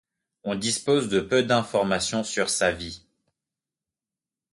On dispose de peu d'informations sur sa vie.